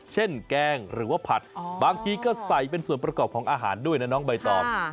แกงหรือว่าผัดบางทีก็ใส่เป็นส่วนประกอบของอาหารด้วยนะน้องใบตอง